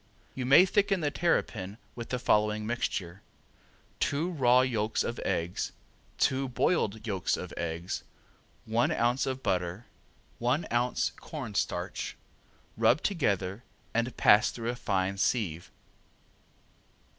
You may thicken the terrapin with the following mixture: Two raw yolks of eggs, two boiled yolks of eggs, one ounce of butter, one ounce corn starch. Rub together and pass through a fine sieve.